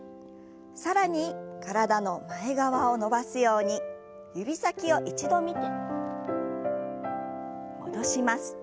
更に体の前側を伸ばすように指先を一度見て戻します。